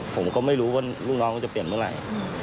ผมก็ไม่รู้ว่าลูกน้องก็จะเปลี่ยนเมื่อไหร่